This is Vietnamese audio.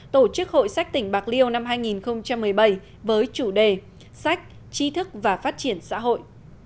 tổ chức hội sách tỉnh bạc liêu năm hai nghìn một mươi bảy với chủ đề sách chi thức và phát triển xã hội